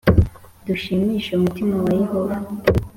Dushimishe umutima wa Yehova